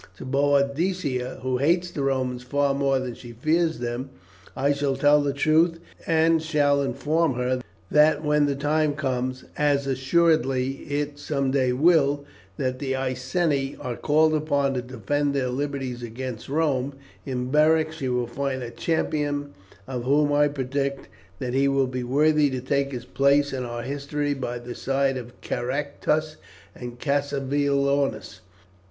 To Boadicea, who hates the Romans far more than she fears them, I shall tell the truth, and shall inform her that when the time comes, as assuredly it some day will, that the Iceni are called upon to defend their liberties against Rome, in Beric she will find a champion of whom I predict that he will be worthy to take his place in our history by the side of Caractacus and Cassivelaunus.